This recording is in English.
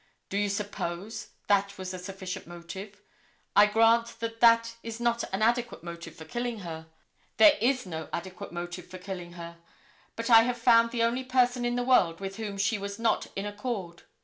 Do you suppose that was a sufficient motive? I grant that that is not an adequate motive for killing her. There is no adequate motive for killing her. But I have found the only person in the world with whom she was not in accord.